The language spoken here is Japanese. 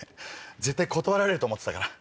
絶対断られると思ってたから。